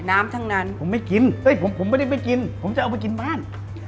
ทั้งนั้นผมไม่กินเฮ้ยผมไม่ได้ไม่กินผมจะเอาไปกินบ้าน